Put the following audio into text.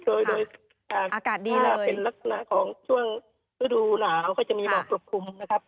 โดยถ้าเป็นลักษณะของช่วงศูนย์ดูหนาวก็จะมีหมอกปรบคุมนะครับ